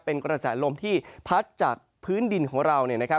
เป็นกราศาสนลมที่พัดจากพื้นดินของเรา